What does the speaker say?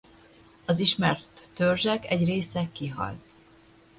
Az ismert törzsek egy része kihalt.